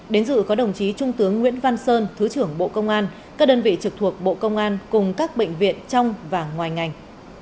đến dự có đồng chí trung tướng nguyễn văn sơn thứ trưởng bộ công an các đơn vị trực thuộc bộ công an cùng các bệnh viện trong và ngoài ngành